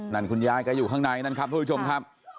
นั่นคุณยายทองอยู่ข้างในนั้นคุณยายทองอายุ๘๔ปีนะครับ